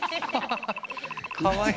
かわいい。